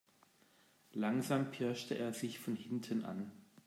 Langsam pirschte er sich von hinten an.